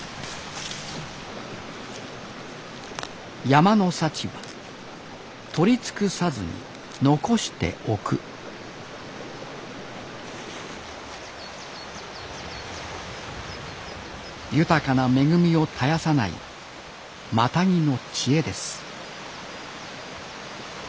山の幸は取り尽くさずに残しておく豊かな恵みを絶やさないマタギの知恵です